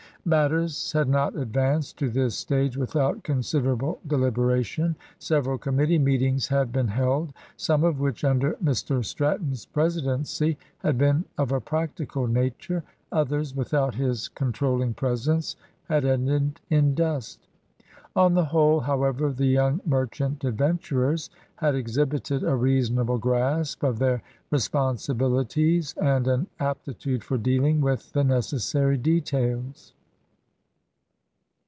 Matters had not advanced to this stage without considerable deliberation. Several committee meetings had been held, some of which, under Mr Stratton's presidency, had been of a practical nature, others, without his controlling presence, had ended in dust. On the whole, however, the young merchant adventurers had exhibited a reasonable grasp of their responsibilities and an aptitude for dealing with the necessary details.